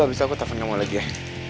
abis itu aku telfon kamu lagi ya